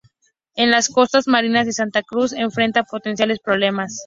En las costas marinas de Santa Cruz, enfrenta potenciales problemas.